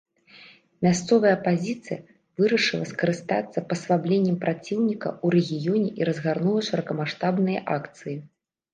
Мясцовая апазіцыя вырашыла скарыстацца паслабленнем праціўніка ў рэгіёне і разгарнула шырокамаштабныя акцыі.